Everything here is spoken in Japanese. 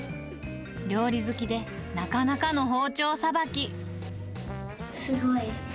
料理好きで、なかなかの包丁さばすごい。